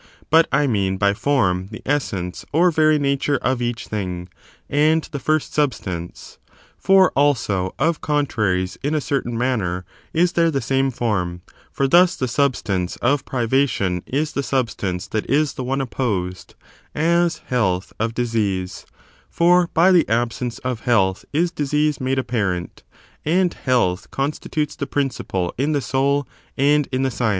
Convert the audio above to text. But I mean by form the essence or very nature of each thing, and the first substance. For, also, of contraries in a certain manner is there the same form ; for thus the substance of privation is the substance that is the one opposed, as health of disease ; for by the absence of health is disease made apparent, and health constitutes the principle in the soul and in the science.